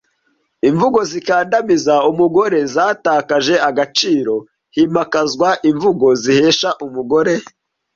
Imvugo zikandamiza umugore zatakaje agaciro himakazwa imvugo zihesha Umugore